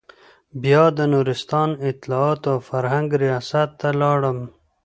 بيا د نورستان اطلاعاتو او فرهنګ رياست ته لاړم.